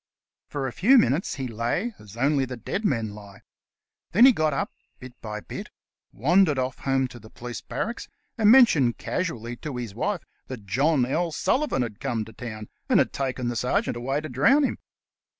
For a few minutes he "lay as only dead men lie." Then he got up bit by bit, wandered off home to the police 31 The Cast iron Canvasser barracks, and mentioned casually to his wife that John L. Sullivan had come to town, and had taken the sergeant away to drown him.